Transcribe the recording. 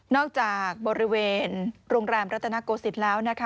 จากบริเวณโรงแรมรัตนโกศิษย์แล้วนะคะ